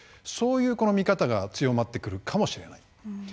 そういう見方が強まってくるかもしれない。